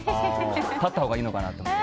立ったほうがいいのかなと。